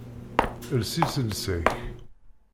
Els iselsa-k!